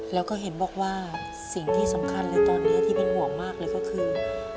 แล้วก็เห็นบอกว่าสิ่งที่สำคัญเลยตอนนี้ที่เป็นห่วงมากเลยก็คือ